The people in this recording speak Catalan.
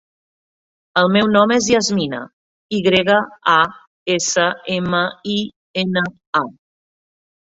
El meu nom és Yasmina: i grega, a, essa, ema, i, ena, a.